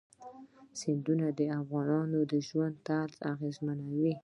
سیندونه د افغانانو د ژوند طرز اغېزمنوي.